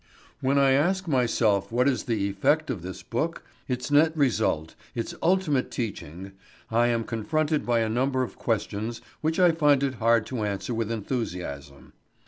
When I ask myself what is the effect of this book, its net result, its ultimate teaching, I am confronted by a number of questions which I find it hard to answer with enthusiasm.